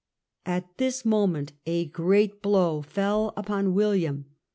At this moment a great blow fell upon William.